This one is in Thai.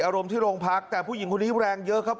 อารมณ์ที่โรงพักแต่ผู้หญิงคนนี้แรงเยอะครับ